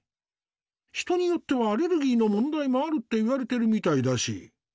人によってはアレルギーの問題もあるっていわれてるみたいだし。